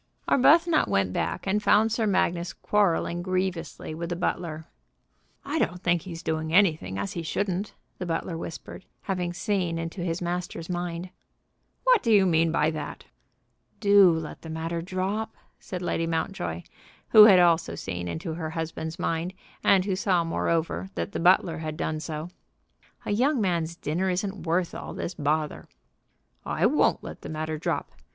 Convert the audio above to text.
Arbuthnot went back, and found Sir Magnus quarrelling grievously with the butler. "I don't think he's doing anything as he shouldn't," the butler whispered, having seen into his master's mind. "What do you mean by that?" "Do let the matter drop," said Lady Mountjoy, who had also seen into her husband's mind, and saw, moreover, that the butler had done so. "A young man's dinner isn't worth all this bother." "I won't let the matter drop.